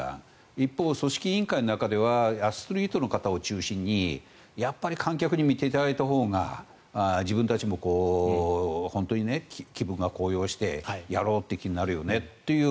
一方、組織委員会の中ではアスリートの方を中心にやっぱり観客に見ていただいたほうが自分たちも本当に気分が高揚してやろうって気になるよねという。